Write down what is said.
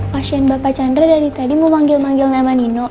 pasien bapak chandra dari tadi memanggil manggil nama nino